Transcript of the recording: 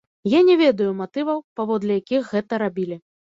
Я не ведаю матываў, паводле якіх гэта рабілі.